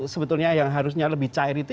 sebetulnya yang harusnya lebih cair itu